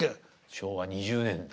昭和２０年代。